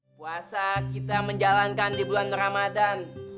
puasa kita menjalankan di bulan ramadan